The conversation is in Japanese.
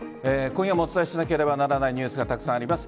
今夜もお伝えしなければならないニュースがたくさんあります。